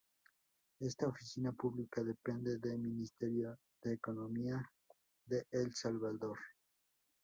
Esta oficina pública depende del Ministerio de Economía de El Salvador.